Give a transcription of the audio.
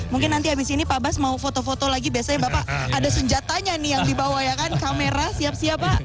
mungkin nanti habis ini pak bas mau foto foto lagi biasanya bapak ada senjatanya nih yang dibawa ya kan kamera siap siap pak